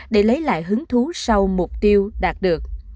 để lấy lại hứng thú sau mục tiêu đạt được